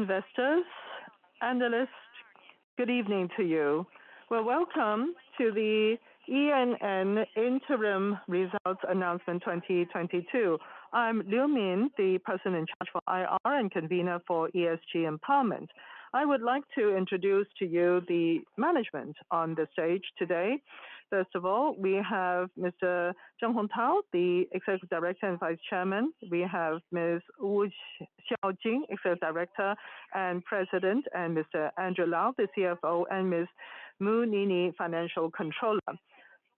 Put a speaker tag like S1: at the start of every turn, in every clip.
S1: Investors, analysts good evening to you. Well, welcome to the ENN Interim Results Announcement 2022. I'm Liu Min, the person in charge for IR and convener for ESG Empowerment. I would like to introduce to you the management on the stage today. First of all, we have Mr. Zheng Hongtao, the Executive Director and Vice Chairman. We have Ms. Wu Xiaojing, Executive Director and President, and Mr. Wang Dongzhi, the CFO, and Ms. Ma Nini, Financial Controller.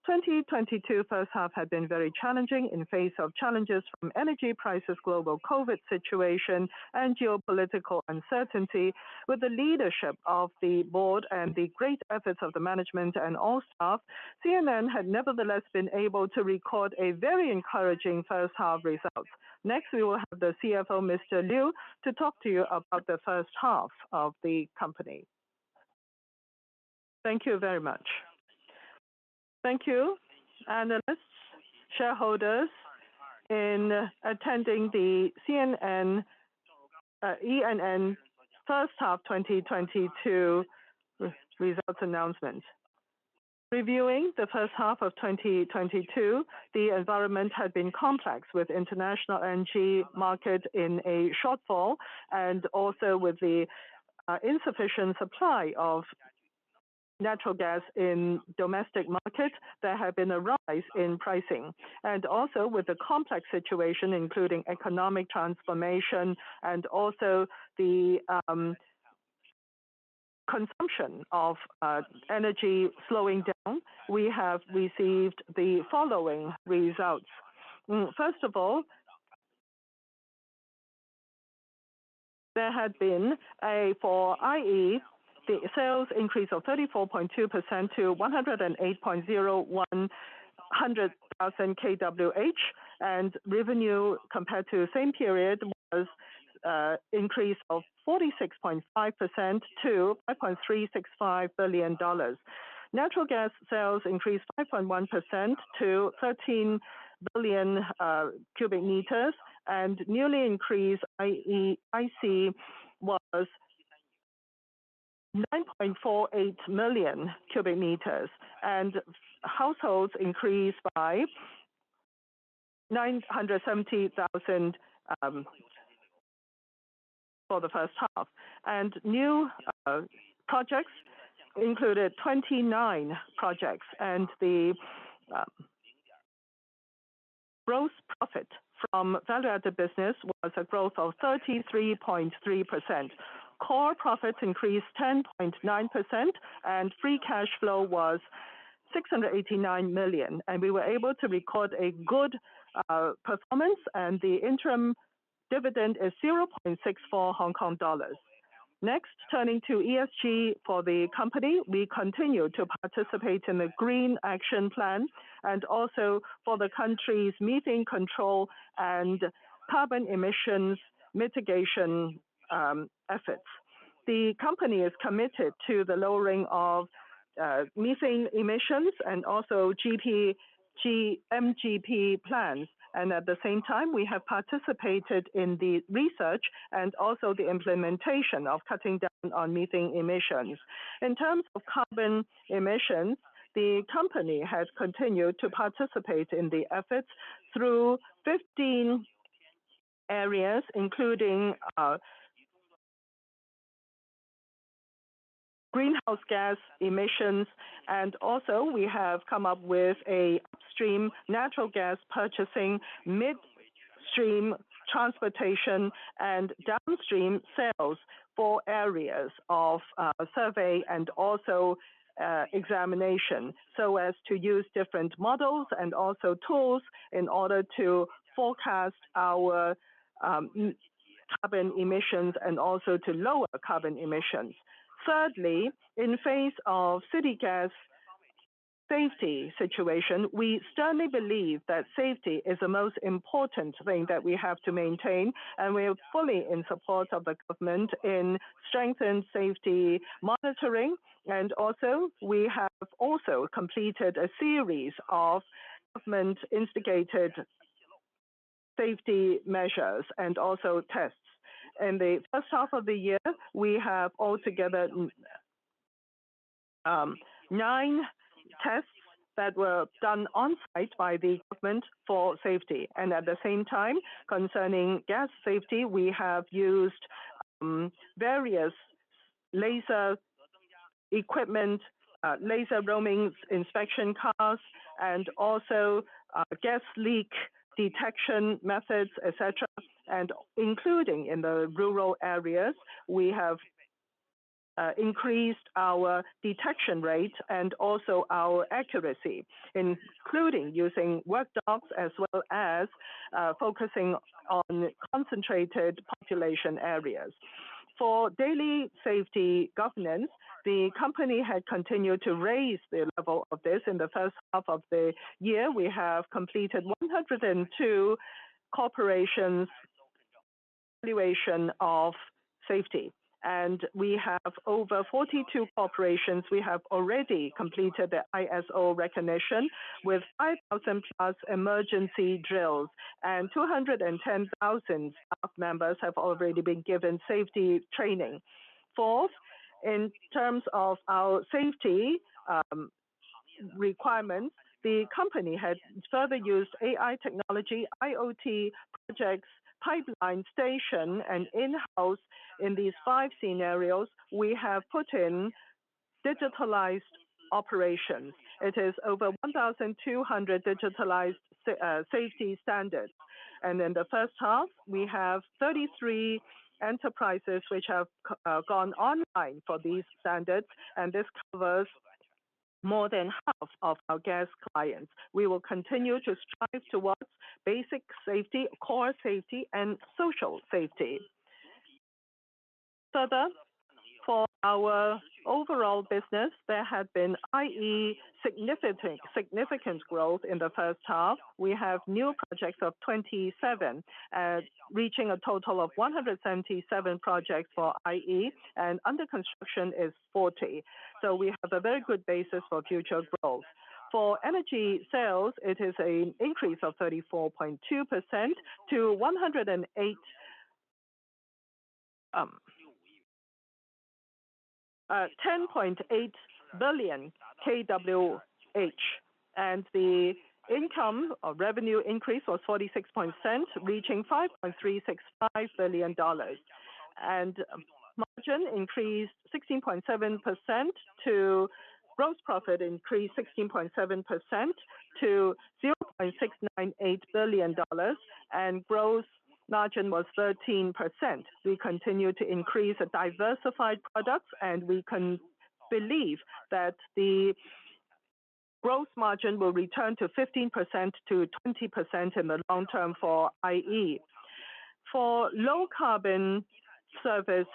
S1: 2022 first half had been very challenging in face of challenges from energy prices, global COVID situation and geopolitical uncertainty. With the leadership of the board and the great efforts of the management and all staff, ENN had nevertheless been able to record a very encouraging first half results. Next, we will have the CFO, Mr. Wang Dongzhi, to talk to you about the first half of the company.
S2: Thank you very much. Thank you, analysts, shareholders for attending the ENN first half 2022 results announcement. Reviewing the first half of 2022, the environment had been complex, with international energy market in a shortfall and also with the insufficient supply of natural gas in domestic market, there had been a rise in pricing. Also with the complex situation, including economic transformation and also the consumption of energy slowing down, we have received the following results. First of all, there had been for IE the sales increase of 34.2% to 10,801,000 kWh. Revenue compared to the same period was increase of 46.5% to $5.365 billion. Natural gas sales increased 5.1% to 13 billion cubic meters, and newly increased I&C was 9.48 million cubic meters, and households increased by 970,000 for the first half. New projects included 29 projects. The gross profit from value added business was a growth of 33.3%. Core profits increased 10.9% and free cash flow was 689 million. We were able to record a good performance and the interim dividend is 0.64 Hong Kong dollars. Next, turning to ESG for the company. We continue to participate in the green action plan and also for the country's methane control and carbon emissions mitigation efforts. The company is committed to the lowering of methane emissions and also GHG MGP plans. At the same time, we have participated in the research and also the implementation of cutting down on methane emissions. In terms of carbon emissions, the company has continued to participate in the efforts through 15 areas, including greenhouse gas emissions. We have come up with an upstream natural gas purchasing, midstream transportation, and downstream sales, four areas of survey and also examination, so as to use different models and also tools in order to forecast our carbon emissions and also to lower carbon emissions. Thirdly, in face of city gas safety situation, we strongly believe that safety is the most important thing that we have to maintain and we are fully in support of the government in strengthened safety monitoring. We have also completed a series of government-instigated safety measures and also tests. In the first half of the year, we have altogether nine tests that were done on site by the government for safety. At the same time, concerning gas safety, we have used various laser equipment, laser roaming inspection cars and also gas leak detection methods, et cetera. Including in the rural areas, we have increased our detection rate and also our accuracy, including using work dogs as well as focusing on concentrated population areas. For daily safety governance, the company had continued to raise the level of this. In the first half of the year, we have completed 102 corporations evaluation of safety. We have over 42 corporations, we have already completed the ISO recognition with 5,000+ emergency drills. 210,000 staff members have already been given safety training. Fourth, in terms of our safety requirement, the company has further used AI technology, IoT projects, pipeline station, and in house. In these five scenarios, we have put in digitalized operations. It is over 1,200 digitalized safety standards. In the first half, we have 33 enterprises which have gone online for these standards and this covers more than half of our gas clients. We will continue to strive towards basic safety, core safety, and social safety. Further, for our overall business, there had been IE significant growth in the first half. We have new projects of 27, reaching a total of 177 projects for IE and under construction is 40. We have a very good basis for future growth. For energy sales, it is an increase of 34.2% to 10.8 billion kWh. The income or revenue increase was 46.7%, reaching $5.365 billion. Gross profit increased 16.7% to $0.698 billion, and gross margin was 13%. We continue to increase the diversified products, and we can believe that the gross margin will return to 15%-20% in the long term for IE. For low carbon service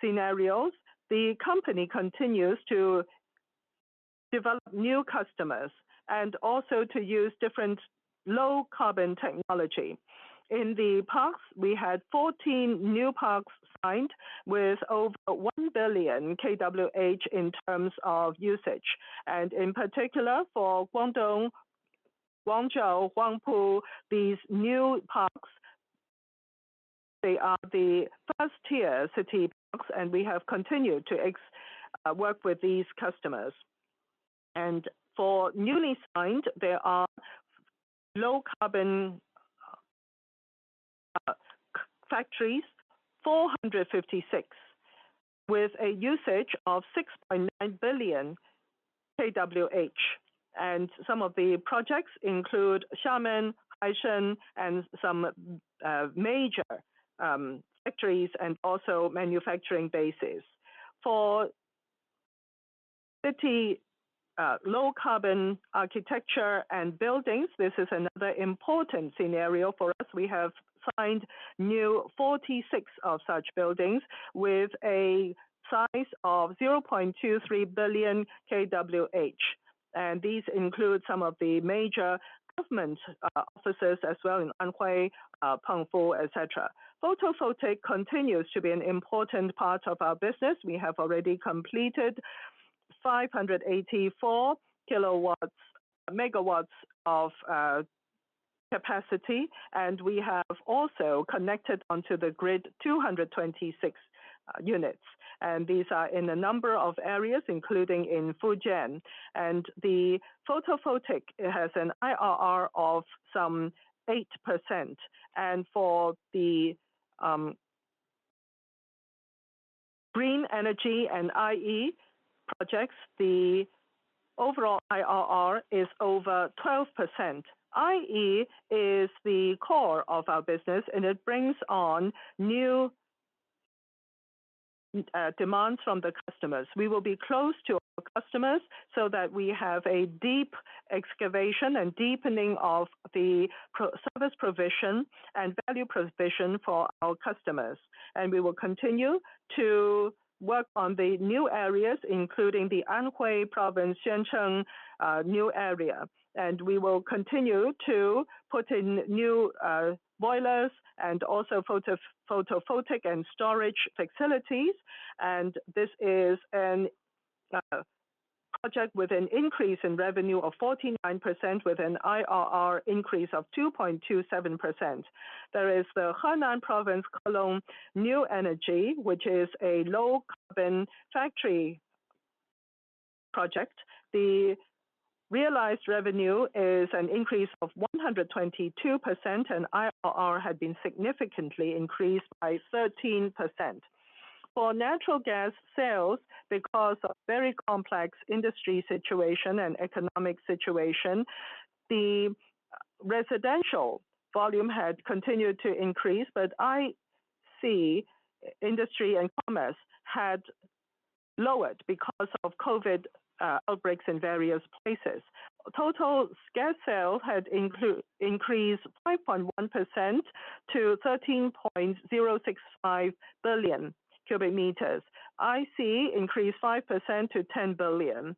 S2: scenarios, the company continues to develop new customers and also to use different low carbon technology. In the parks, we had 14 new parks signed with over 1 billion kWh in terms of usage. In particular for Guangdong, Guangzhou, Huangpu, these new parks, they are the first tier city parks, and we have continued to work with these customers. For newly signed, there are low-carbon factories, 456, with a usage of 6.9 billion kWh. Some of the projects include Xiamen, Kaishan and some major factories and also manufacturing bases. For city low carbon architecture and buildings, this is another important scenario for us. We have signed new 46 of such buildings with a size of 0.23 billion kWh. These include some of the major government offices as well in Anhui, Bengbu, et cetera. Photovoltaic continues to be an important part of our business. We have already completed 584 megawatts of capacity, and we have also connected onto the grid 226 units. These are in a number of areas, including in Fujian. The photovoltaic has an IRR of some 8%. For the green energy and IE projects, the overall IRR is over 12%. IE is the core of our business, and it brings on new demands from the customers. We will be close to our customers so that we have a deep integration and deepening of the product service provision and value proposition for our customers. We will continue to work on the new areas, including the Anhui Province, Xuancheng new area. We will continue to put in new boilers and also photovoltaic and storage facilities. This is a project with an increase in revenue of 49% with an IRR increase of 2.27%. There is the Henan Province KELON New Energy, which is a low carbon factory project. The realized revenue is an increase of 122% and IRR had been significantly increased by 13%. For natural gas sales, because of very complex industry situation and economic situation, the residential volume had continued to increase, but I&C industry and commerce had lowered because of COVID outbreaks in various places. Total gas sales had increased 5.1% to 13.065 billion cubic meters. I&C increased 5% to 10 billion.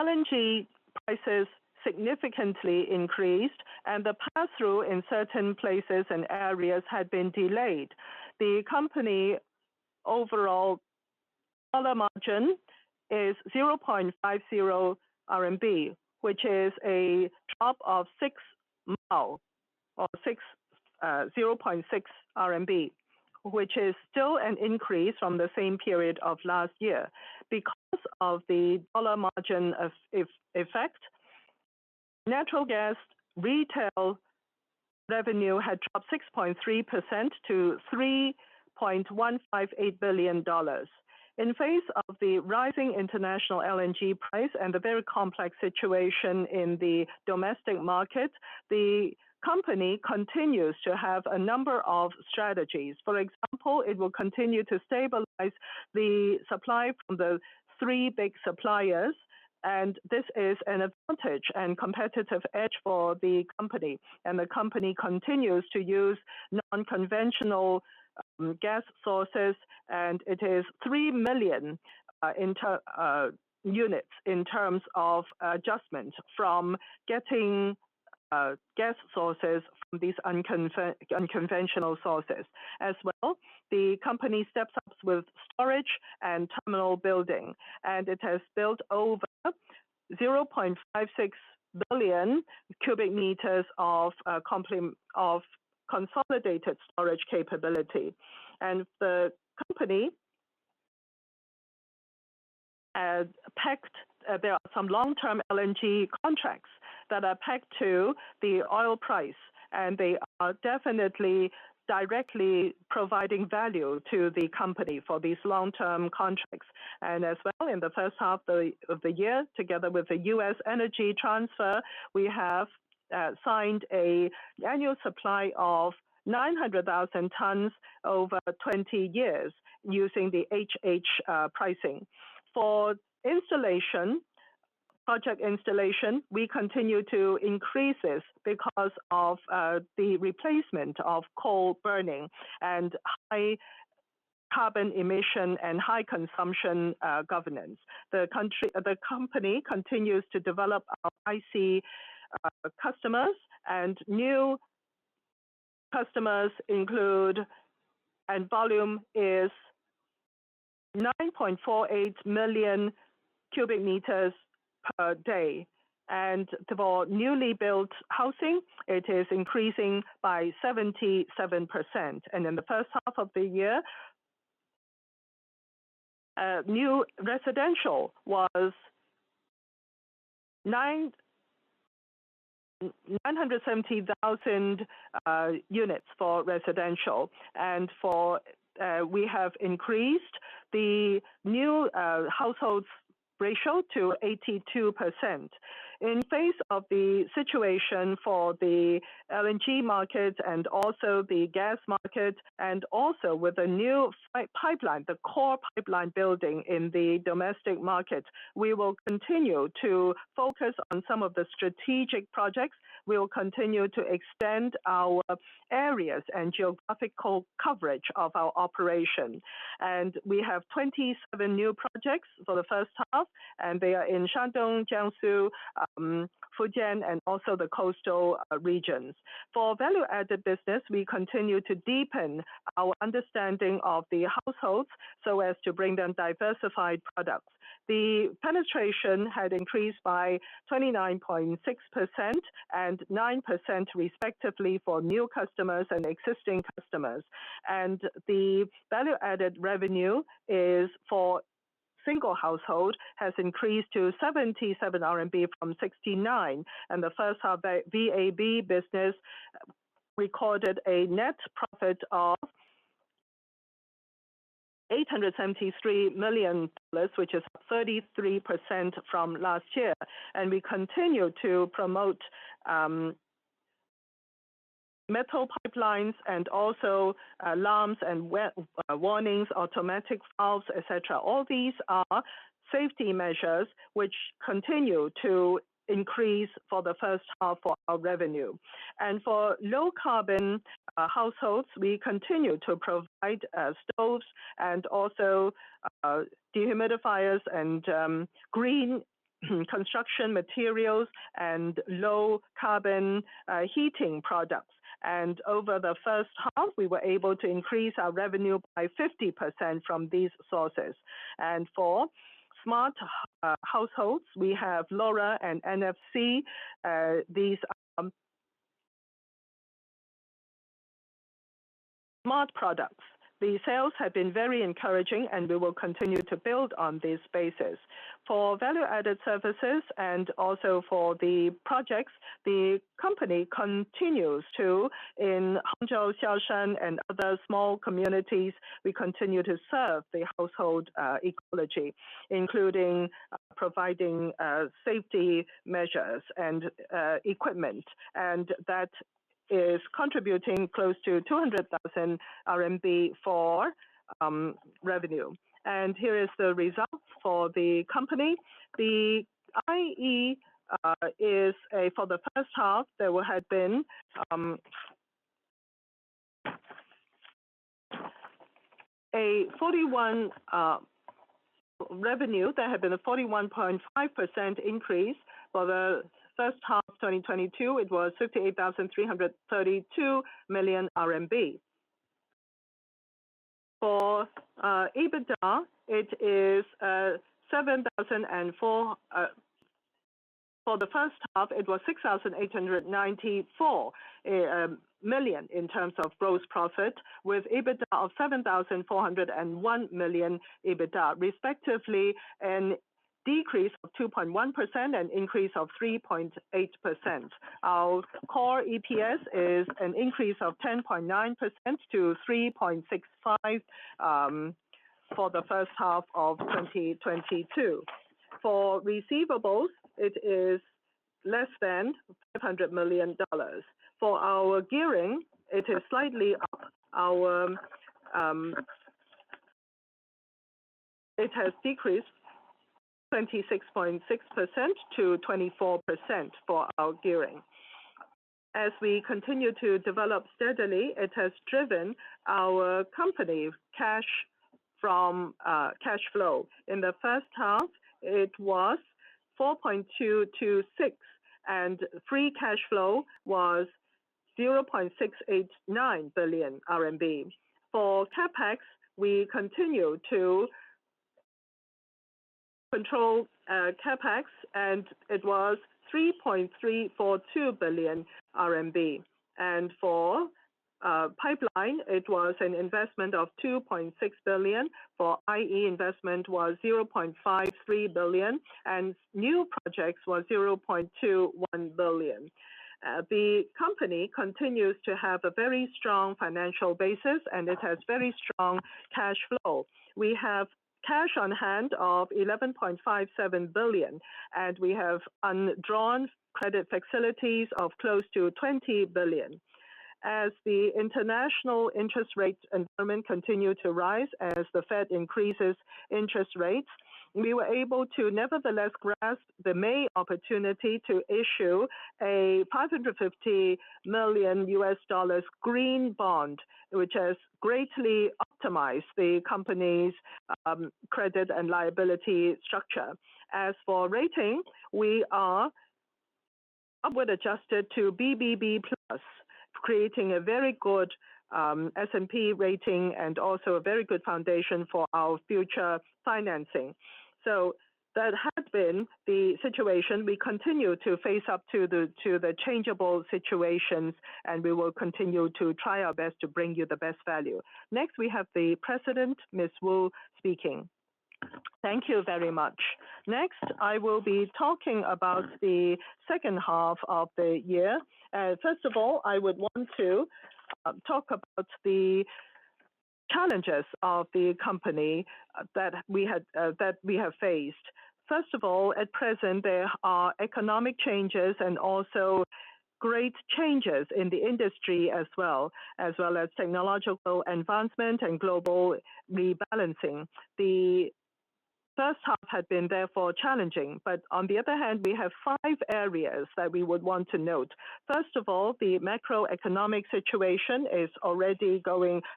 S2: LNG prices significantly increased and the pass through in certain places and areas had been delayed. The company overall dollar margin is 0.50 RMB, which is a drop of six mao or 0.6 RMB, which is still an increase from the same period of last year. Because of the dollar margin effect, natural gas retail revenue had dropped 6.3% to $3.158 billion. In the face of the rising international LNG price and the very complex situation in the domestic market, the company continues to have a number of strategies. For example, it will continue to stabilize the supply from the three big suppliers, and this is an advantage and competitive edge for the company. The company continues to use non-conventional gas sources, and it is 3 million units in terms of adjustment from getting gas sources from these unconventional sources. As well, the company steps up with storage and terminal building, and it has built over 0.56 billion cubic meters of consolidated storage capability. The company has pegged, there are some long term LNG contracts that are pegged to the oil price and they are definitely directly providing value to the company for these long-term contracts. As well in the first half of the year, together with Energy Transfer, we have signed a annual supply of 900,000 tons over 20 years using the HH pricing. For installation, project installation, we continue to increase this because of the replacement of coal burning and high carbon emission and high consumption governance. The company continues to develop our I&C customers and new customers include and volume is 9.48 million cubic meters per day. For newly built housing, it is increasing by 77%. In the first half of the year, new residential was 997,000 units for residential and for, we have increased the new, households ratio to 82%. In face of the situation for the LNG markets and also the gas markets and also with the new site pipeline, the core pipeline building in the domestic markets, we will continue to focus on some of the strategic projects. We will continue to extend our areas and geographical coverage of our operation. We have 27 new projects for the first half, and they are in Shandong, Jiangsu, Fujian and also the coastal regions. For value-added business, we continue to deepen our understanding of the households so as to bring them diversified products. The penetration had increased by 29.6% and 9% respectively for new customers and existing customers. The value added revenue per single household has increased to 77 RMB from 69, and the first half VAB business recorded a net profit of $873 million, which is up 33% from last year. We continue to promote metal pipelines and also alarms and warnings, automatic valves, et cetera. All these are safety measures which continue to increase for the first half of our revenue. For low carbon households, we continue to provide stoves and also dehumidifiers and green construction materials and low carbon heating products. Over the first half, we were able to increase our revenue by 50% from these sources. For smart households, we have LoRa and NB-IoT. These are... smart products. The sales have been very encouraging, and we will continue to build on these bases. For value-added services and also for the projects, the company continues to invest in Hangzhou, Xiaoshan and other small communities, we continue to serve the household ecology, including providing safety measures and equipment. That is contributing close to 200 thousand RMB for revenue. Here is the results for the company. The IE for the first half there had been a 41.5% increase in revenue for the first half of 2022. It was 58,332 million RMB. For EBITDA, it is 7,004 million. For the first half, it was 6,894 million in terms of gross profit with EBITDA of 7,401 million respectively, and decrease of 2.1% and increase of 3.8%. Our core EPS is an increase of 10.9% to 3.65 for the first half of 2022. For receivables, it is less than $500 million. For our gearing, it is slightly up. It has decreased from 26.6% to 24% for our gearing. As we continue to develop steadily, it has driven our operating cash flow. In the first half, it was 4.226 billion, and free cash flow was 0.689 billion RMB. For CapEx, we continue to control CapEx, and it was 3.342 billion RMB. For pipeline, it was an investment of 2.6 billion. For IE investment was 0.53 billion, and new projects was 0.21 billion. The company continues to have a very strong financial basis, and it has very strong cash flow. We have cash on hand of 11.57 billion, and we have undrawn credit facilities of close to 20 billion. As the international interest rates environment continue to rise as the Fed increases interest rates, we were able to nevertheless grasp the May opportunity to issue a $550 million green bond, which has greatly optimized the company's credit and liability structure. As for rating, we are upward adjusted to BBB+, creating a very good S&P rating and also a very good foundation for our future financing. That has been the situation. We continue to face up to the changeable situations, and we will continue to try our best to bring you the best value. Next, we have the president, Ms. Wu, speaking. Thank you very much. Next, I will be talking about the second half of the year. First of all, I would want to talk about the challenges of the company that we have faced. First of all, at present, there are economic changes and also great changes in the industry as well as technological advancement and global rebalancing. The first half had been therefore challenging, but on the other hand, we have five areas that we would want to note. First of all, the macroeconomic situation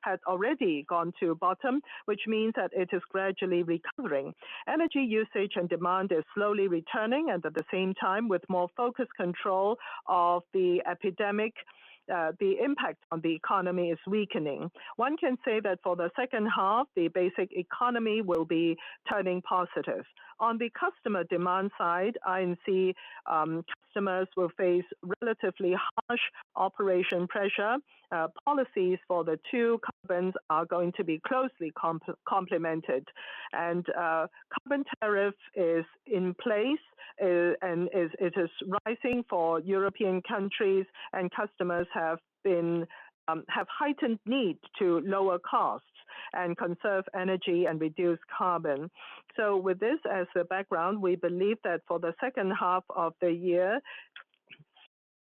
S2: had already gone to bottom, which means that it is gradually recovering. Energy usage and demand is slowly returning, and at the same time, with more focused control of the epidemic, the impact on the economy is weakening. One can say that for the second half, the basic economy will be turning positive. On the customer demand side, I&C customers will face relatively harsh operation pressure. Policies for the two carbons are going to be closely complemented. Carbon tariff is in place, and it is rising for European countries and customers have heightened need to lower costs and conserve energy and reduce carbon. With this as a background, we believe that for the second half of the year,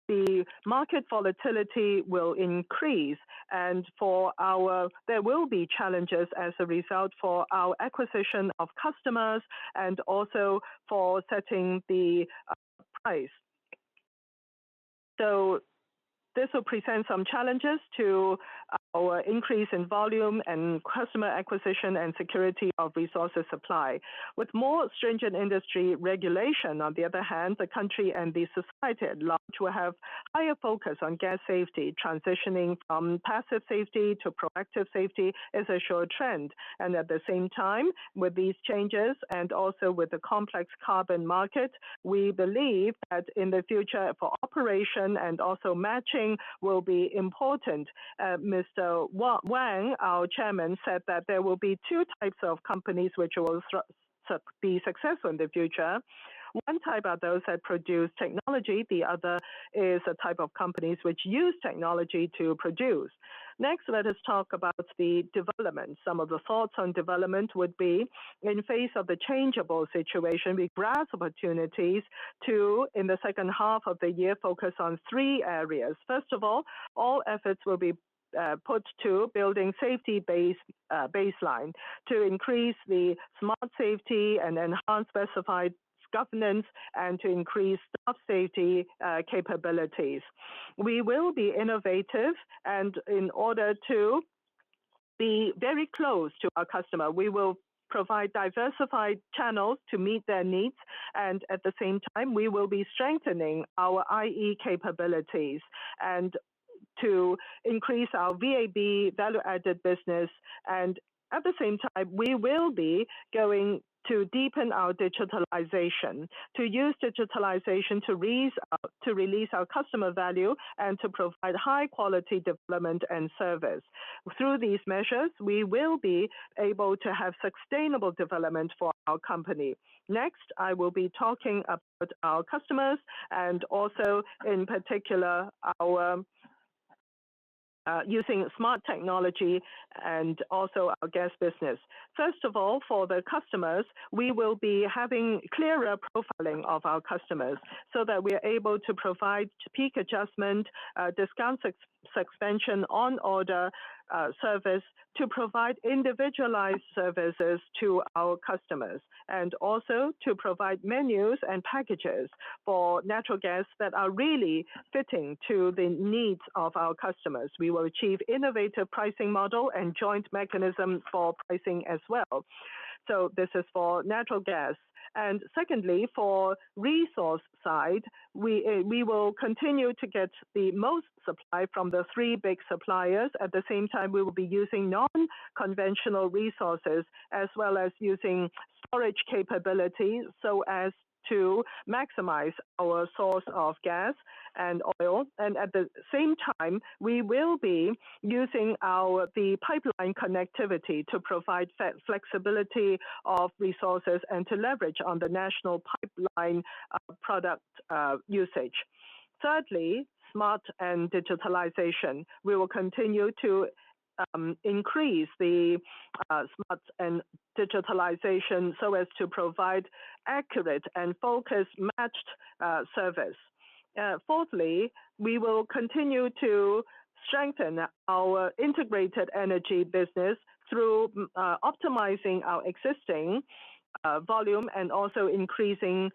S2: the market volatility will increase. There will be challenges as a result for our acquisition of customers and also for setting the price. This will present some challenges to our increase in volume and customer acquisition and security of resources supply. With more stringent industry regulation on the other hand, the country and the society at large will have higher focus on gas safety. Transitioning from passive safety to proactive safety is a sure trend. At the same time, with these changes and also with the complex carbon market, we believe that in the future for operation and also matching will be important. Mr. Wang, our chairman, said that there will be two types of companies which will be successful in the future. One type are those that produce technology, the other is a type of companies which use technology to produce. Next, let us talk about the development. Some of the thoughts on development would be in face of the changeable situation, we grasp opportunities to, in the second half of the year, focus on three areas. First of all efforts will be put to building safety base, baseline to increase the smart safety and enhance specified governance and to increase staff safety capabilities. We will be innovative and in order to be very close to our customer. We will provide diversified channels to meet their needs, and at the same time, we will be strengthening our IE capabilities and to increase our VAB, value added business. At the same time, we will be going to deepen our digitalization, to use digitalization to release our customer value and to provide high quality development and service. Through these measures, we will be able to have sustainable development for our company. Next, I will be talking about our customers and also in particular our using smart technology and also our gas business. First of all, for the customers, we will be having clearer profiling of our customers so that we are able to provide peak adjustment, discount expansion on order service to provide individualized services to our customers. Also to provide menus and packages for natural gas that are really fitting to the needs of our customers. We will achieve innovative pricing model and joint mechanism for pricing as well. This is for natural gas. Secondly, for resource side, we will continue to get the most supply from the three big suppliers. At the same time, we will be using non conventional resources as well as using storage capability, so as to maximize our source of gas and oil. At the same time, we will be using our the pipeline connectivity to provide flexibility of resources and to leverage on the national pipeline product usage. Thirdly, smart and digitalization. We will continue to increase the smart and digitalization so as to provide accurate and focused matched service. Fourthly, we will continue to strengthen our Integrated Energy business through optimizing our existing volume and also increasing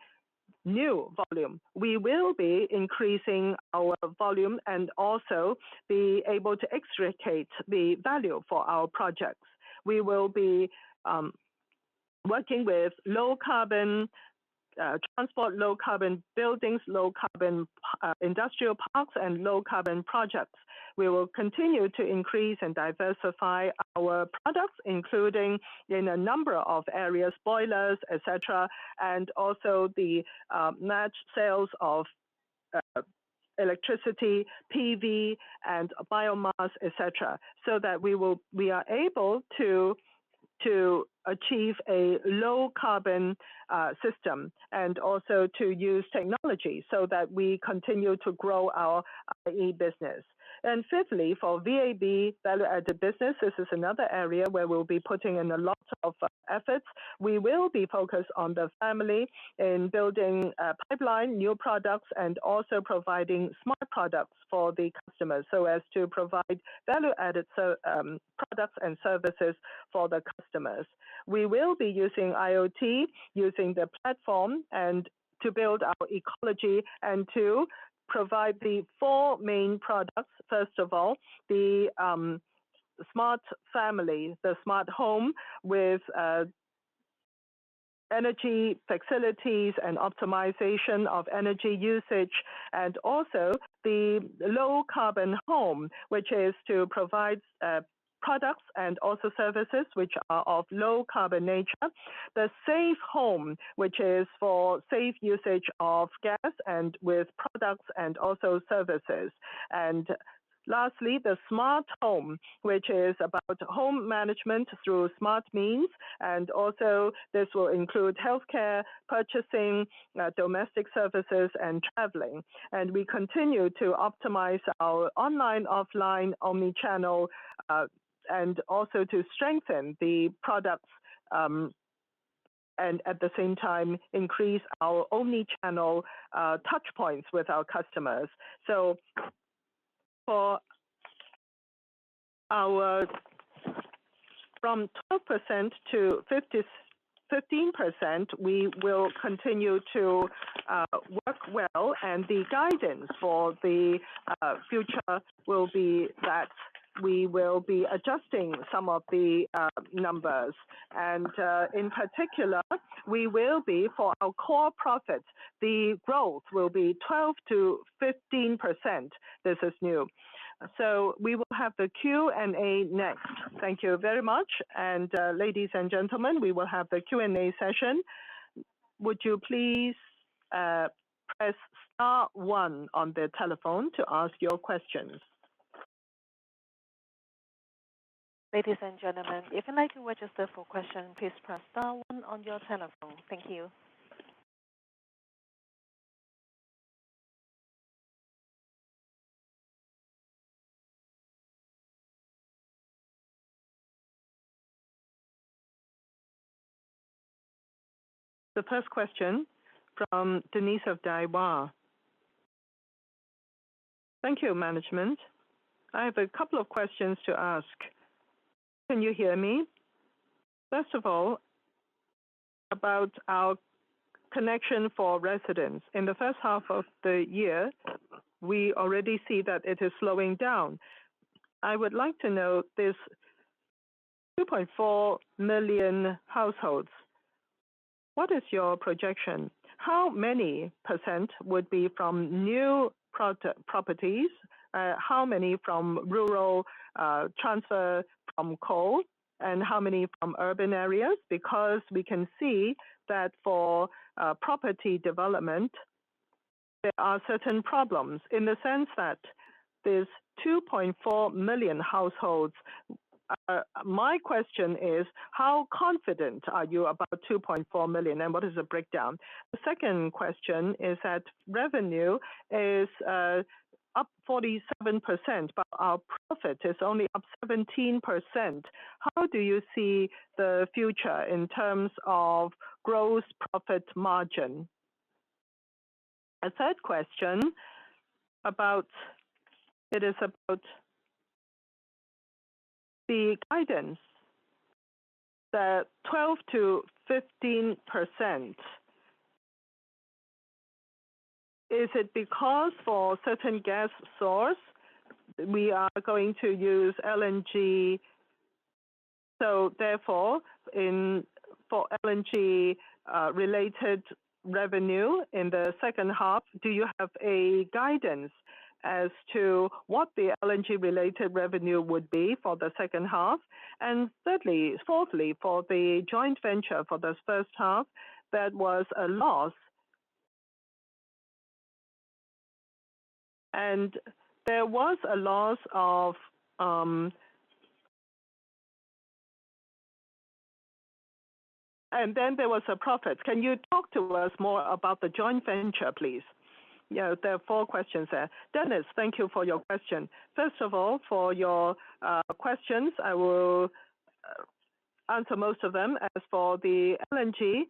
S2: new volume. We will be increasing our volume and also be able to extract the value for our projects. We will be working with low carbon transport, low carbon buildings, low-carbon industrial parks, and low carbon projects. We will continue to increase and diversify our products, including in a number of areas, boilers, etcetera, and also the matched sales of electricity, PV and biomass, etcetera, so that we are able to achieve a low carbon system. We will also use technology so that we continue to grow our IE business. Fifthly, for VAB, value added business, this is another area where we'll be putting in a lot of efforts. We will be focused on the family in building pipeline, new products, and also providing smart products for the customers so as to provide value added products and services for the customers. We will be using IoT, using the platform and to build our ecology and to provide the four main products. First of all, the smart home with energy facilities and optimization of energy usage, and also the low carbon home, which is to provide products and also services which are of low-carbon nature. The safe home, which is for safe usage of gas and with products and also services. Lastly, the smart home, which is about home management through smart means, and also this will include healthcare, purchasing domestic services and traveling. We continue to optimize our online, offline, omni channel and also to strengthen the products and at the same time increase our omni-channel touchpoints with our customers. For our... From 12%-15%, we will continue to work well, and the guidance for the future will be that we will be adjusting some of the numbers. In particular, we will be for our core profits, the growth will be 12%-15%. This is new. We will have the Q&A next. Thank you very much. Ladies and gentlemen, we will have the Q&A session. Would you please press star one on the telephone to ask your questions.
S3: Ladies and gentlemen, if you'd like to register for question, please press star one on your telephone. Thank you.
S1: The first question from Dennis Ip of Daiwa.
S4: Thank you, management. I have a couple of questions to ask. Can you hear me? About our connection for residents. In the first half of the year, we already see that it is slowing down. I would like to know this 2.4 million households, what is your projection? How many percent would be from new properties, how many from rural transfer from coal, and how many from urban areas? Because we can see that for property development, there are certain problems in the sense that this 2.4 million households. My question is, how confident are you about 2.4 million, and what is the breakdown? The second question is that revenue is up 47%, but our profit is only up 17%. How do you see the future in terms of growth profit margin? A third question about it is about the guidance, the 12%-15%. Is it because for certain gas source, we are going to use LNG? For LNG related revenue in the second half, do you have a guidance as to what the LNG related revenue would be for the second half? Fourthly, for the joint venture for this first half, there was a loss of. Then there was a profit. Can you talk to us more about the joint venture, please? Yeah, there are four questions there.
S2: Dennis, thank you for your question. First of all, for your questions, I will answer most of them. As for the LNG,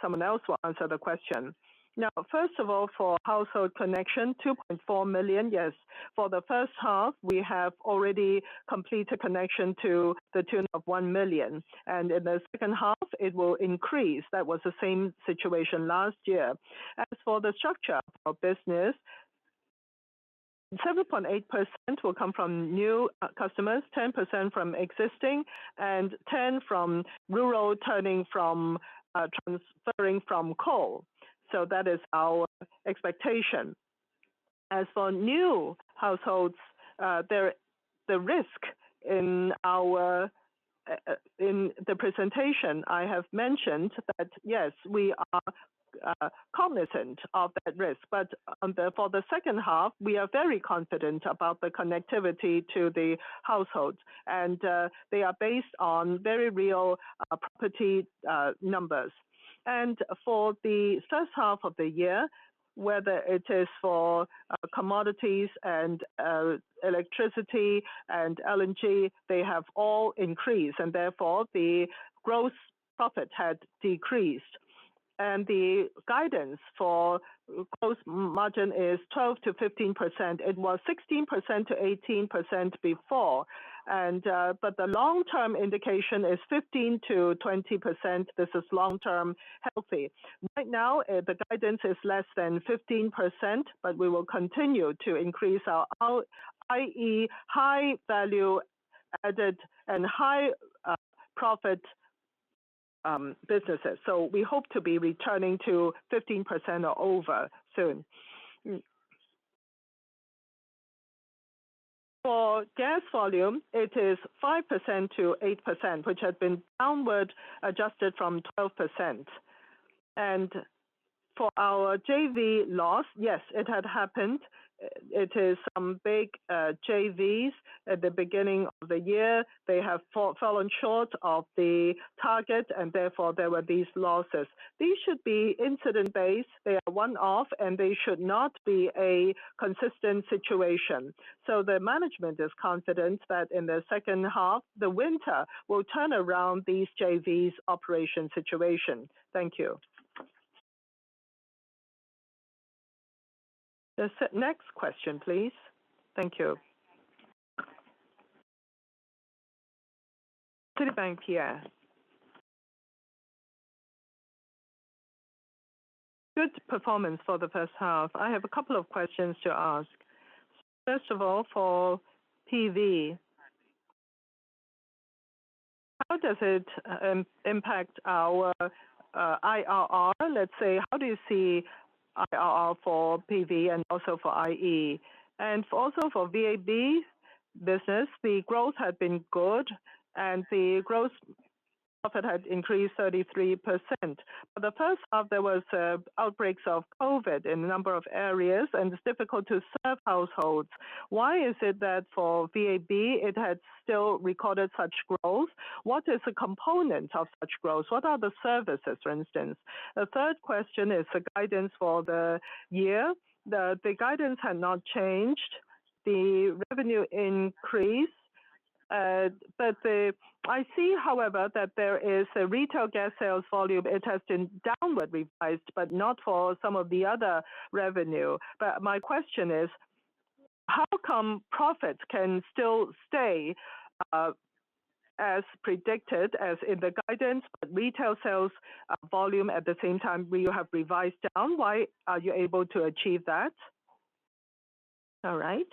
S2: someone else will answer the question. Now, first of all, for household connection, 2.4 million, yes. For the first half, we have already completed connection to the tune of 1 million, and in the second half, it will increase. That was the same situation last year. As for the structure of business, 7.8% will come from new customers, 10% from existing, and 10% from rural transferring from coal. That is our expectation. As for new households, the risk in the presentation, I have mentioned that, yes, we are cognizant of that risk. There for the second half, we are very confident about the connectivity to the households, and they are based on very real property numbers. For the first half of the year, whether it is for, commodities and electricity and LNG, they have all increased and therefore the gross profit had decreased. The guidance for gross margin is 12%-15%. It was 16%-18% before. But the long term indication is 15%-20%. This is long term healthy. Right now, the guidance is less than 15%, but we will continue to increase our IE high value added and high profit businesses. We hope to be returning to 15% or over soon. For gas volume, it is 5%-8%, which had been downward adjusted from 12%. For our JV loss, yes, it had happened. It is some big JVs at the beginning of the year. They have fallen short of the target, and therefore there were these losses. These should be incident based, they are one off and they should not be a consistent situation. The management is confident that in the second half, the winter will turn around these JV's operation situation. Thank you. The next question, please. Thank you.
S5: Citi, Pierre. Good performance for the first half. I have a couple of questions to ask. First of all, for PV. How does it impact our IRR? Let's say, how do you see IRR for PV and also for IE? And also for VAB business, the growth had been good and the growth profit had increased 33%. For the first half, there was outbreaks of COVID in a number of areas, and it's difficult to serve households. Why is it that for VAB, it had still recorded such growth? What is the component of such growth? What are the services, for instance? The third question is the guidance for the year. The guidance had not changed, the revenue increased. I see, however, that there is a retail gas sales volume. It has been downward revised, but not for some of the other revenue. My question is, how come profits can still stay as predicted as in the guidance, but retail sales volume at the same time where you have revised down. Why are you able to achieve that?
S2: All right.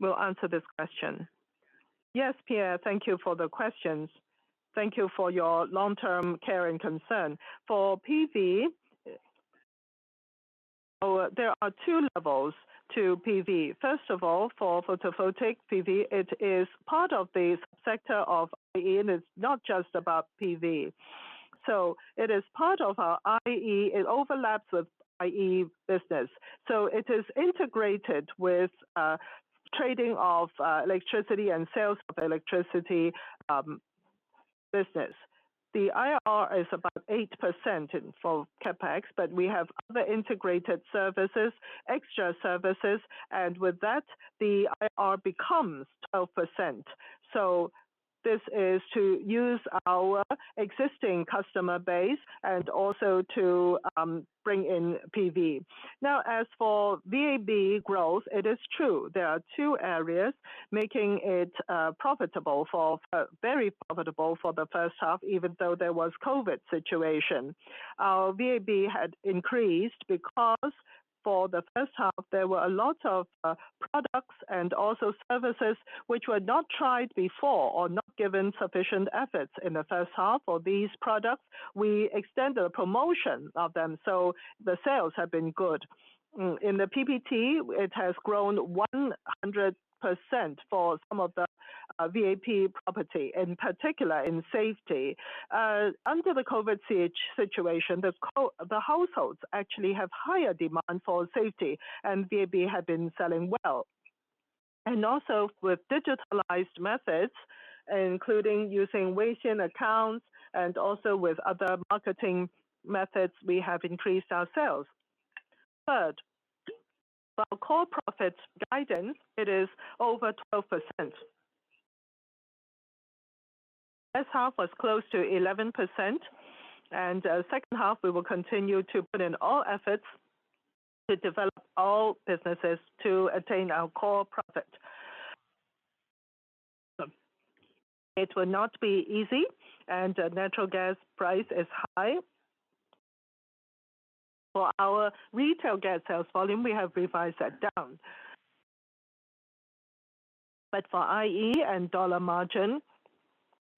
S2: We'll answer this question. Yes, Pierre, thank you for the questions. Thank you for your long-term care and concern. For PV, there are two levels to PV. First of all, for photovoltaic PV, it is part of the sector of IE, and it's not just about PV. It is part of our IE. It overlaps with IE business. It is integrated with trading of electricity and sales of electricity business. The IRR is about 8% for CapEx, but we have other integrated services, extra services, and with that, the IRR becomes 12%. This is to use our existing customer base and also to bring in PV. Now, as for VAB growth, it is true, there are two areas making it very profitable for the first half, even though there was COVID situation. Our VAB had increased because for the first half, there were a lot of products and also services which were not tried before or not given sufficient efforts in the first half. For these products, we extended a promotion of them, so the sales have been good. In the PPT, it has grown 100% for some of the VAP property, in particular in safety. Under the COVID situation, the households actually have higher demand for safety, and VAB had been selling well. Also with digitalized methods, including using WeChat accounts and also with other marketing methods, we have increased our sales. Third, our core profits guidance, it is over 12%. First half was close to 11%. Second half, we will continue to put in all efforts to develop all businesses to attain our core profit. It will not be easy, and natural gas price is high. For our retail gas sales volume, we have revised that down. For IE and dollar margin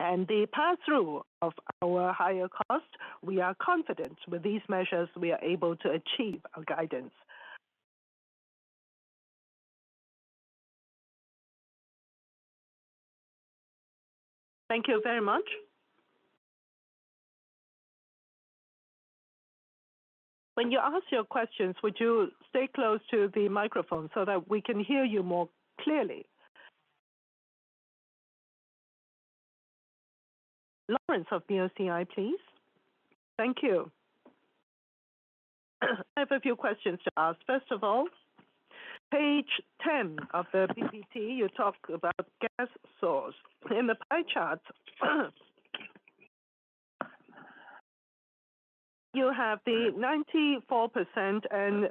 S2: and the pass through of our higher cost, we are confident with these measures we are able to achieve our guidance.
S1: Thank you very much. When you ask your questions, would you stay close to the microphone so that we can hear you more clearly? Lawrence of BOCI, please.
S6: Thank you. I have a few questions to ask. First of all, page 10 of the PPT, you talk about gas source. In the pie chart, you have the 94% and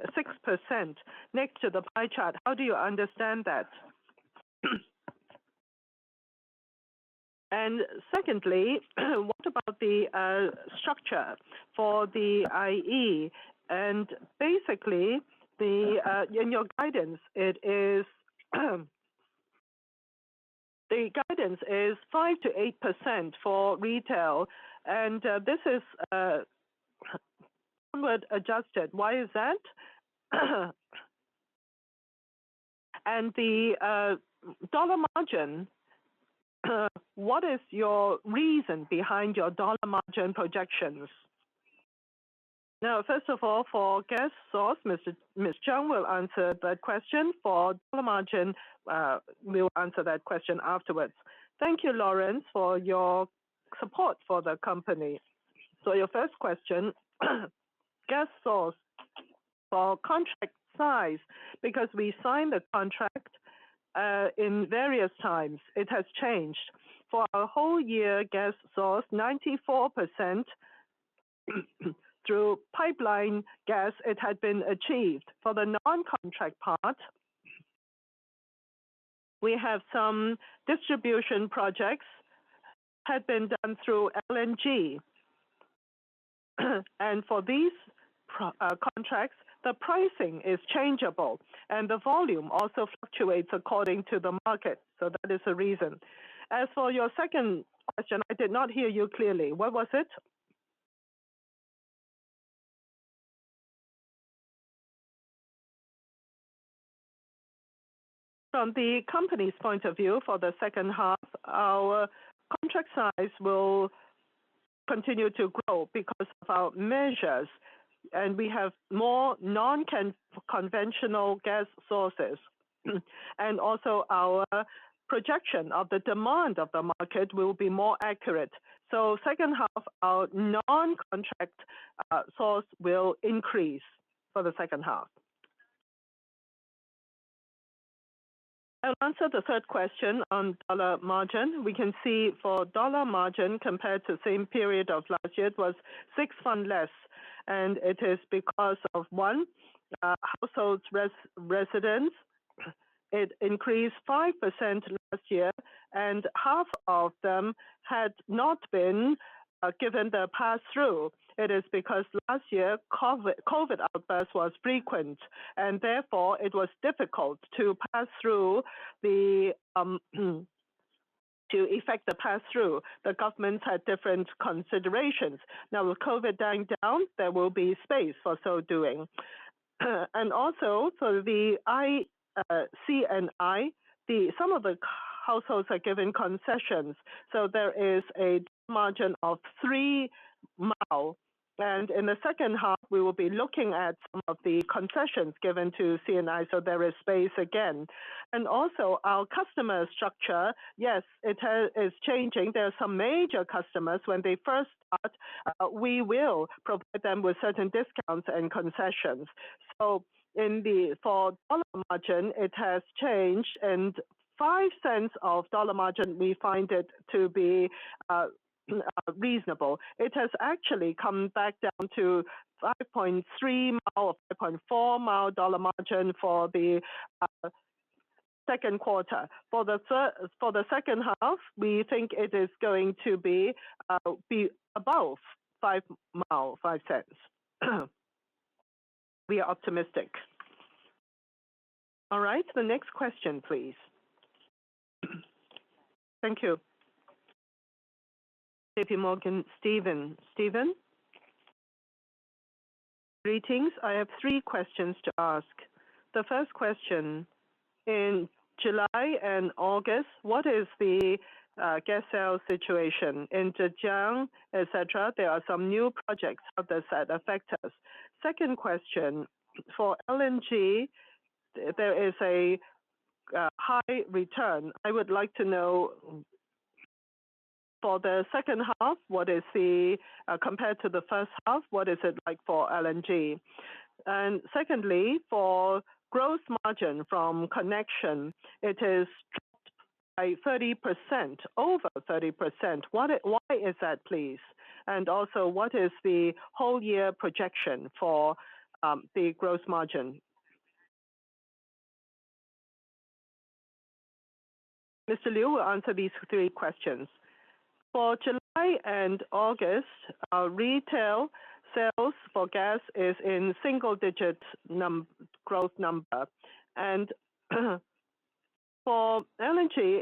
S6: 6% next to the pie chart. How do you understand that? And secondly, what about the structure for the IE? And basically, in your guidance, the guidance is 5%-8% for retail, and this is somewhat adjusted. Why is that? And the dollar margin, what is your reason behind your dollar margin projections?
S1: Now, first of all, for gas source, Ms. Cheung will answer that question. For dollar margin, we'll answer that question afterwards.
S7: Thank you, Lawrence, for your support for the company. Your first question, gas source. For contract size, because we signed a contract, in various times, it has changed. For our whole year gas source, 94% through pipeline gas it had been achieved. For the non-contract part, we have some distribution projects that have been done through LNG. For these contracts, the pricing is changeable, and the volume also fluctuates according to the market. That is the reason. As for your second question, I did not hear you clearly. What was it? From the company's point of view for the second half, our contract size will continue to grow because of our measures and we have more nonconventional gas sources. Also our projection of the demand of the market will be more accurate. Second half, our non contract source will increase for the second half. I'll answer the third question on dollar margin. We can see for dollar margin compared to the same period of last year, it was six fen less, and it is because of one, residential households increased 5% last year, and half of them had not been given the pass-through. It is because last year, COVID outbreak was frequent, and therefore it was difficult to pass through the to effect the pass-through. The government had different considerations. Now, with COVID dying down, there will be space for so doing. Also, for the I&C, some of the households are given concessions. There is a margin of three mao. In the second half, we will be looking at some of the concessions given to C&I, so there is space again. Also our customer structure, yes, it is changing. There are some major customers, when they first start, we will provide them with certain discounts and concessions. For dollar margin, it has changed and 0.5 CNY of dollar margin, we find it to be reasonable. It has actually come back down to 0.53 CNY or 0.54 CNY dollar margin for the second quarter. For the second half, we think it is going to be above 0.5 CNY, 0.5 CNY. We are optimistic. All right, the next question please. Thank you. JP Morgan, Steven Chen. Greetings. I have three questions to ask.
S8: The first question, in July and August, what is the gas sale situation? In Zhejiang, et cetera, there are some new projects. How does that affect us? Second question, for LNG, there is a high return. I would like to know, for the second half, what is the compared to the first half, what is it like for LNG? And secondly, for growth margin from connection, it has dropped by 30%, over 30%. Why is that, please? And also, what is the whole year projection for the growth margin? Mr. Liu will answer these three questions. For July and August, our retail sales for gas is in single digit number growth. For LNG,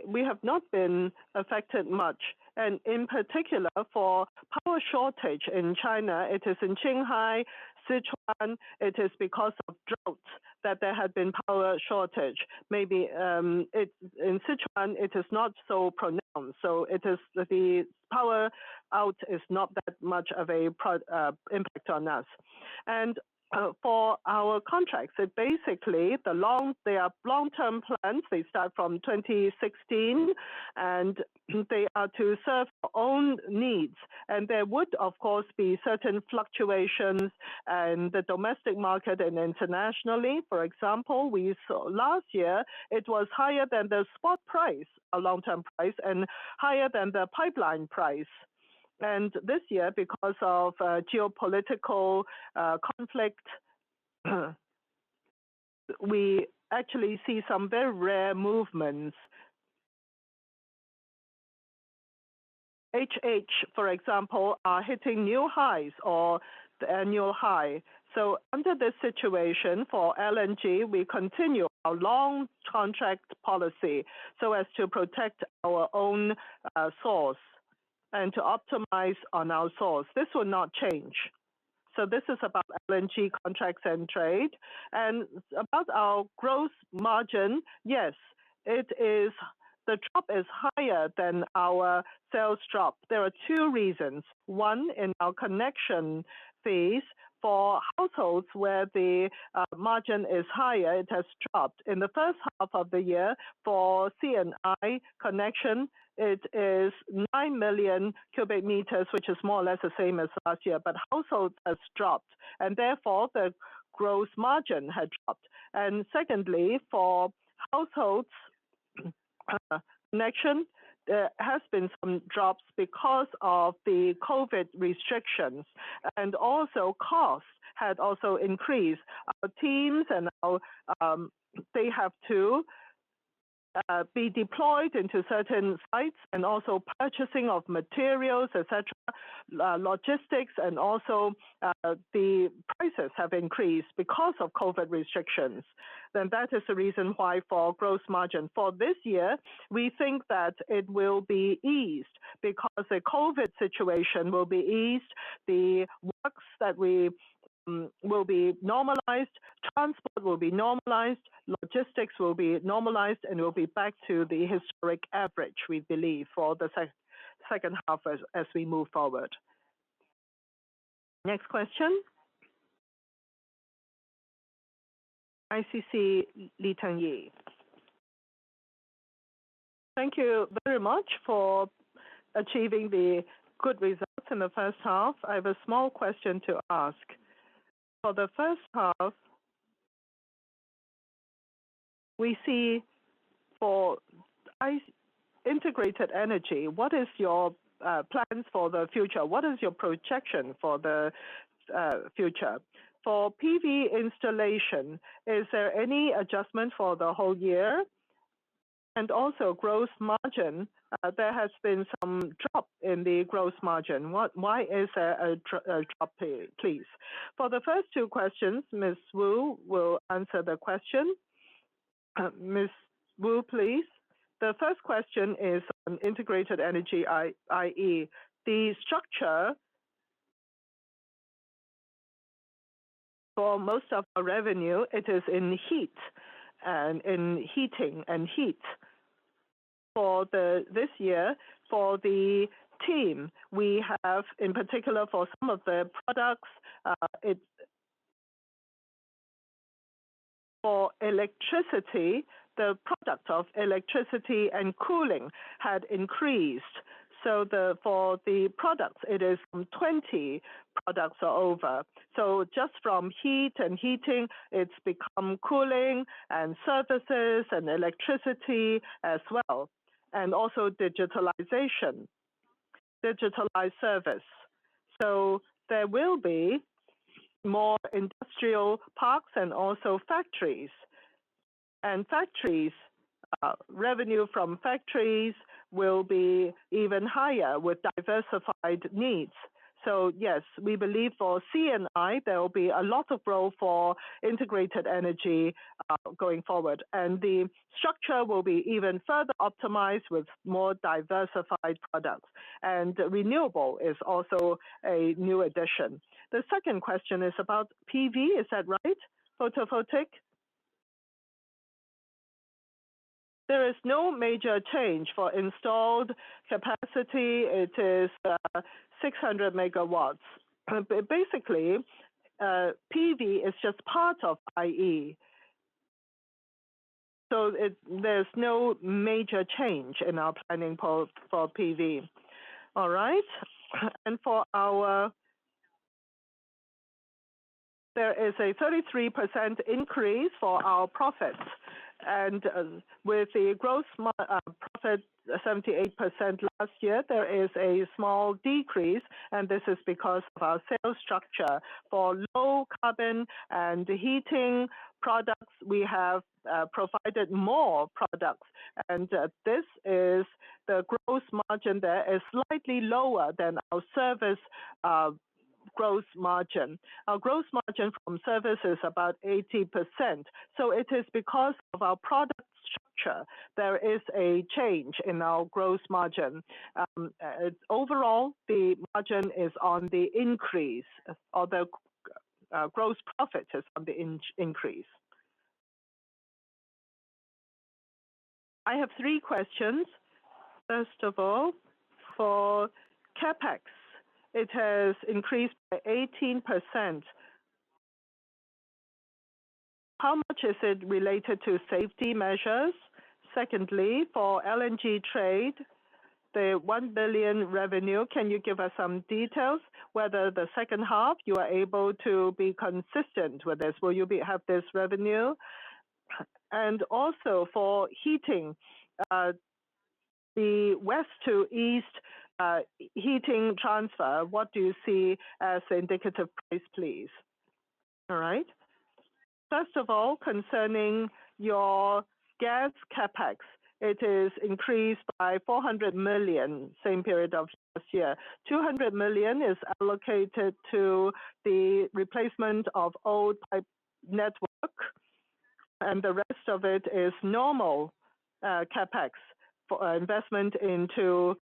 S8: we have not been affected much. In particular, for power shortage in China, it is in Qinghai, Sichuan.
S9: It is because of droughts that there had been power shortage. Maybe, in Sichuan, it is not so pronounced, so the power outage is not that much of an impact on us. For our contracts, basically, they are long term plans. They start from 2016, and they are to serve our own needs. There would, of course, be certain fluctuations in the domestic market and internationally. For example, we saw last year it was higher than the spot price, a long term price, and higher than the pipeline price. This year, because of geopolitical conflict, we actually see some very rare movements. HH, for example, are hitting new highs or the annual high.
S1: Under this situation, for LNG, we continue our long contract policy so as to protect our own source and to optimize on our source. This will not change. This is about LNG contracts and trade. About our gross margin, yes, it is, the drop is higher than our sales drop. There are two reasons. One, in our connection fees for households where the margin is higher, it has dropped. In the first half of the year, for C and I connection, it is 9 million cubic meters, which is more or less the same as last year. Households has dropped, and therefore the gross margin had dropped. Secondly, for households connection, there has been some drops because of the COVID restrictions. Also costs had also increased.
S10: Our teams and our they have to be deployed into certain sites and also purchasing of materials, et cetera, logistics and also the prices have increased because of COVID restrictions. That is the reason why for our gross margin. For this year, we think that it will be eased because the COVID situation will be eased. The works that we will be normalized, transport will be normalized, logistics will be normalized, and we'll be back to the historic average, we believe, for the second half as we move forward. Next question. CICC, Li Tongyi. Thank you very much for achieving the good results in the first half. I have a small question to ask. For the first half, we see for Integrated Energy, what is your plans for the future? What is your projection for the future?
S11: For PV installation, is there any adjustment for the whole year? Also gross margin, there has been some drop in the gross margin. Why is there a drop, please? For the first two questions, Ms. Wu will answer the question. Ms. Wu, please. The first question is on Integrated Energy, i.e. The structure for most of our revenue, it is in heat and in heating and heat. For this year, for the team, we have in particular for some of the products, it. For electricity, the product of electricity and cooling had increased. The, for the products, it is from 20 products or over. Just from heat and heating, it's become cooling and services and electricity as well and also digitalization, digitalized service. There will be more industrial parks and also factories.
S1: Factories, revenue from factories will be even higher with diversified needs. Yes, we believe for C&I, there will be a lot of role for Integrated Energy going forward. The structure will be even further optimized with more diversified products. Renewable is also a new addition. The second question is about PV. Is that right? Photovoltaic. There is no major change for installed capacity. It is 600 megawatts. Basically, PV is just part of IE. There's no major change in our planning for PV. All right. For our, there is a 33% increase for our profits. With the gross margin of 78% last year, there is a small decrease, and this is because of our sales structure. For low-carbon and heating products, we have provided more products. This is the gross margin that is slightly lower than our service gross margin. Our gross margin from service is about 80%. It is because of our product structure, there is a change in our gross margin. Overall, the margin is on the increase, although gross profit is on the increase. I have three questions. First of all, for CapEx, it has increased by 18%. How much is it related to safety measures? Secondly, for LNG trade, the 1 billion revenue, can you give us some details whether the second half you are able to be consistent with this? Will you have this revenue? And also for heating, the west to east heating transfer, what do you see as indicative price, please? All right.
S2: First of all, concerning your gas CapEx, it is increased by 400 million, same period of last year. 200 million is allocated to the replacement of old pipe network, and the rest of it is normal CapEx for investment into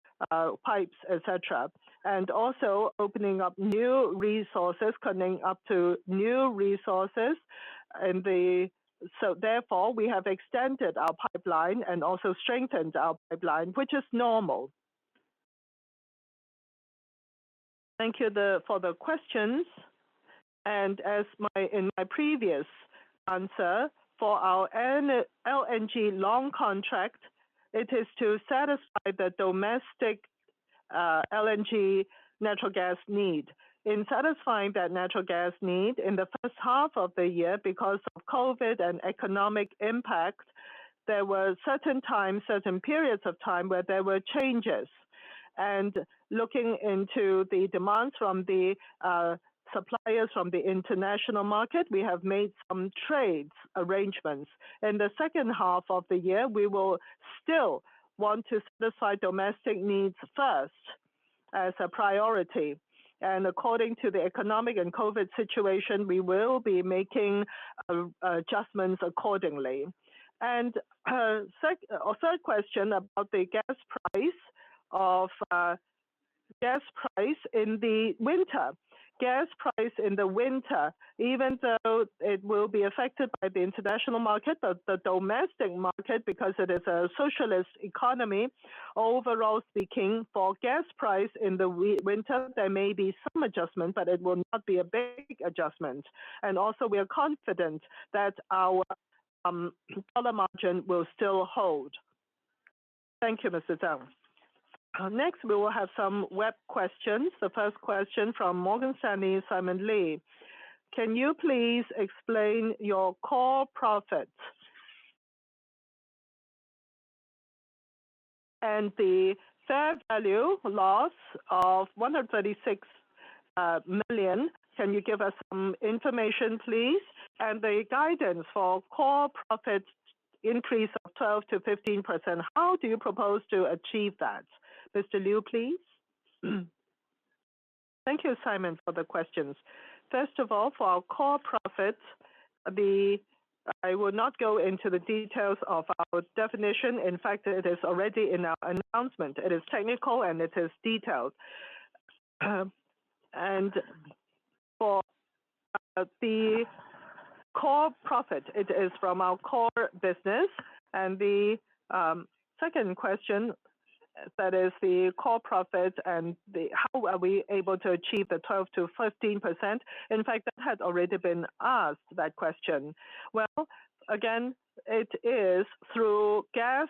S2: pipes, et cetera, and also opening up new resources, coming up to new resources. Therefore, we have extended our pipeline and also strengthened our pipeline, which is normal. Thank you for the questions. As in my previous answer, for our ENN LNG long contract, it is to satisfy the domestic LNG natural gas need. In satisfying that natural gas need in the first half of the year because of COVID and economic impacts, there were certain times, certain periods of time where there were changes.
S12: Looking into the demands from the suppliers from the international market, we have made some trade arrangements. In the second half of the year, we will still want to satisfy domestic needs first as a priority. According to the economic and COVID situation, we will be making adjustments accordingly. Second or third question about the gas price in the winter. Gas price in the winter, even though it will be affected by the international market, but the domestic market, because it is a socialist economy, overall speaking, for gas price in the winter, there may be some adjustment, but it will not be a big adjustment. Also we are confident that our dollar margin will still hold. Thank you, Mr. Tang. Next, we will have some web questions. The first question from Morgan Stanley, Simon Lee.
S13: Can you please explain your core profits? The fair value loss of 136 million, can you give us some information, please? The guidance for core profits increase of 12%-15%, how do you propose to achieve that? Mr. Liu, please. Thank you, Simon, for the questions. First of all, for our core profits, I will not go into the details of our definition. In fact, it is already in our announcement. It is technical and it is detailed. For the core profit, it is from our core business. The second question, that is the core profit and the how are we able to achieve the 12%-15%. In fact, that has already been asked, that question.
S9: Well, again, it is through gas,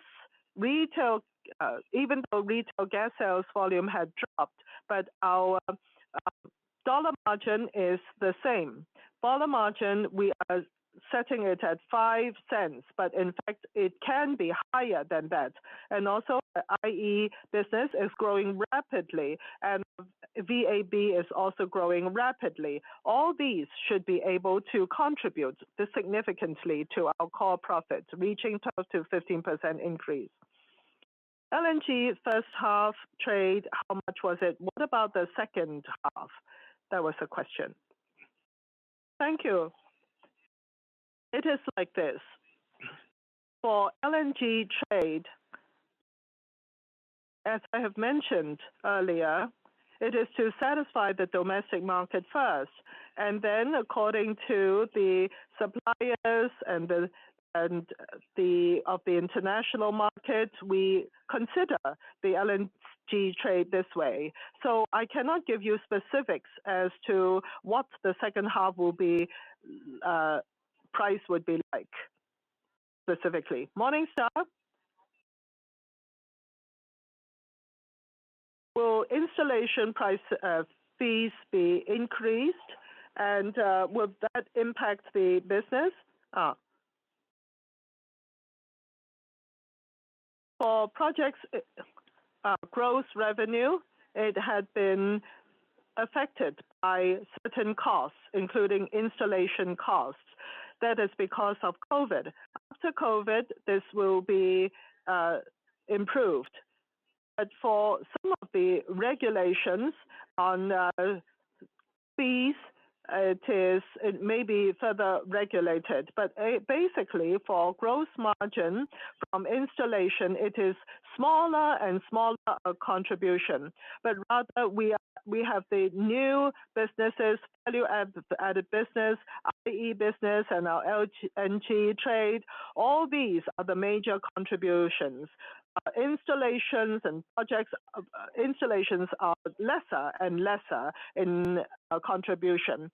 S9: retail, even though retail gas sales volume had dropped, but our dollar margin is the same. Dollar margin, we are setting it at 0.05, but in fact, it can be higher than that. Also, our IE business is growing rapidly, and VAB is also growing rapidly. All these should be able to contribute significantly to our core profits, reaching 12%-15% increase. LNG first half trade, how much was it? What about the second half? That was the question. Thank you. It is like this. For LNG trade, as I have mentioned earlier, it is to satisfy the domestic market first, and then according to the suppliers and the international market, we consider the LNG trade this way.
S14: I cannot give you specifics as to what the second half will be, price would be like, specifically. Morningstar. Will installation price, fees be increased, and, will that impact the business? For projects, gross revenue, it had been affected by certain costs, including installation costs. That is because of COVID. After COVID, this will be improved. But for some of the regulations on, fees, it may be further regulated. But basically, for gross margin from installation, it is smaller and smaller contribution. But rather, we have the new businesses, value added business, IE business and our LNG trade. All these are the major contributions. Installations and projects, installations are less and less in contribution.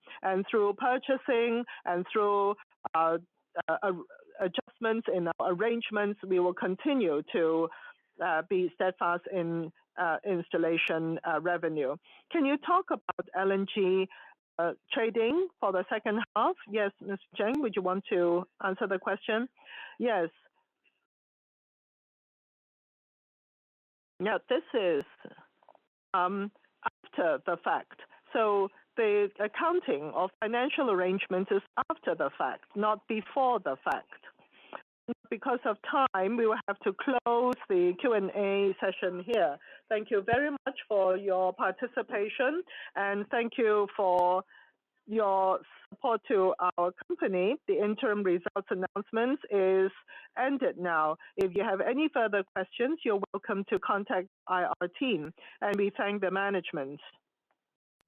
S1: Through purchasing and through adjustments in our arrangements, we will continue to be steadfast in installation revenue. Can you talk about LNG trading for the second half? Yes, Ms. Jiang, would you want to answer the question? Yes. Now, this is after the fact. The accounting of financial arrangement is after the fact, not before the fact. Because of time, we will have to close the Q&A session here. Thank you very much for your participation and thank you for your support to our company. The interim results announcements is ended now. If you have any further questions, you're welcome to contact our team and we thank the management.